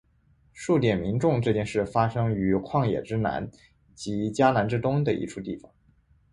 数点民众这件事发生于旷野之南及迦南之东的一处地方。